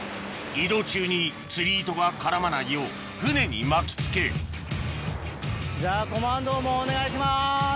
移動中に釣り糸が絡まないよう舟に巻きつけじゃあコマンドーもお願いします。